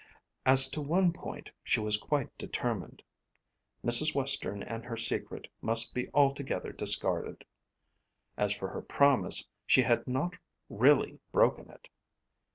As to one point she was quite determined. Mrs. Western and her secret must be altogether discarded. As for her promise she had not really broken it.